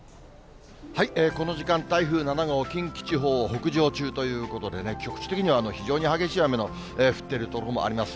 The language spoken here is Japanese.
この時間台風７号、近畿地方を北上中ということでね、局地的には非常に激しい雨の降っている所もあります。